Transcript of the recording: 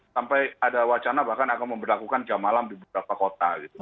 sampai ada wacana bahkan akan memperlakukan jam malam di beberapa kota gitu